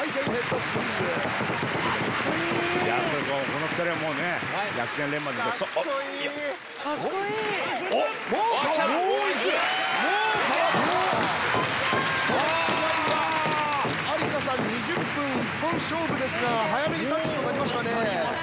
この試合は有田さん２０分一本勝負ですが早めにタッチとなりましたね。